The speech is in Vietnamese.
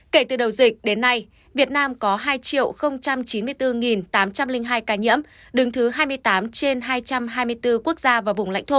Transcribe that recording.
kể từ đầu dịch đến nay việt nam có hai chín mươi bốn tám trăm linh hai ca nhiễm đứng thứ hai mươi tám trên hai trăm hai mươi bốn quốc gia và vùng lãnh thổ